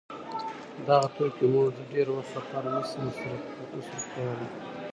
دغه توکي موږ د ډېر وخت له پاره نه سي مصروف کولای.